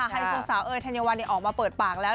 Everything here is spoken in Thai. ไฮโซสาวเอ๋ยธัญวัลออกมาเปิดปากแล้ว